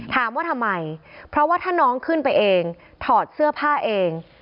ถามว่าทำไมเพราะว่าถ้าน้องขึ้นไปเองถอดเสื้อผ้าเอง